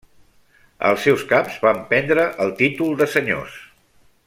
Els seus caps van prendre el títol de senyors.